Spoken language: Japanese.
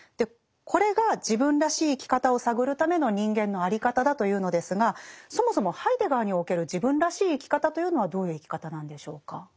これが自分らしい生き方を探るための人間のあり方だというのですがそもそもハイデガーにおける自分らしい生き方というのはどういう生き方なんでしょうか？